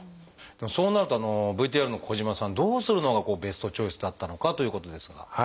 でもそうなるとＶＴＲの小島さんどうするのがベストチョイスだったのかということですが。